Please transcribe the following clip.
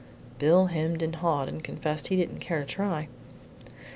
Bill hemmed and hawed, and confessed he didn't care to try.